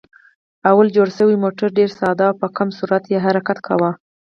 لومړی جوړ شوی موټر ډېر ساده و او په کم سرعت یې حرکت کاوه.